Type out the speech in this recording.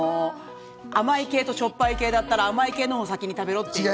甘い系としょっぱい系だったら甘い系のほうを先に食べろって。